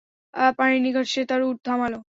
পানির নিকট সে তার উট থামাল।